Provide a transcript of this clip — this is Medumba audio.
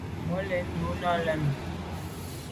Me lo yen nyu à lem.